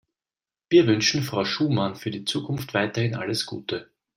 Wir wünschen Frau Schumann für die Zukunft weiterhin alles Gute.